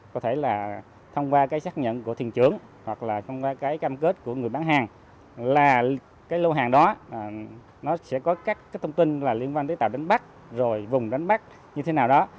chấp nhận của thiền trưởng hoặc là qua cái cam kết của người bán hàng là cái lô hàng đó nó sẽ có các thông tin là liên quan tới tàu đánh bắt rồi vùng đánh bắt như thế nào đó